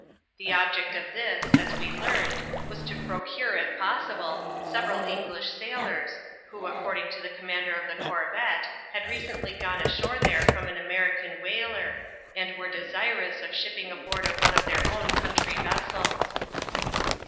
The object of this, as we learned, was to procure, if possible, several fkiglish sailors, who, according to the com mander of the corvette, had recently gone ashore there from an American whaler, and were desirous of shipping aboard of one of their oifn country vessels.